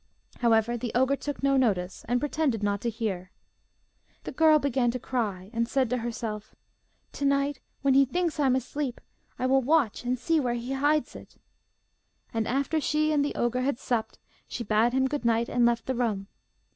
However the ogre took no notice, and pretended not to hear. The girl began to cry, and said to herself: 'To night, when he thinks I am asleep, I will watch and see where he hides it;' and after she and the ogre had supped, she bade him good night, and left the room.